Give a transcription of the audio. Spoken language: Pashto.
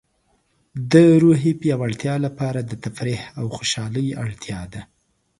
د روحیې د پیاوړتیا لپاره د تفریح او خوشحالۍ اړتیا ده.